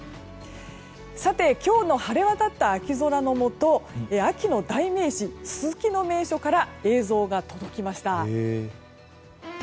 さて、今日の晴れ渡った秋空のもと秋の代名詞、ススキの名所から映像が届きました。